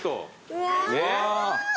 うわ。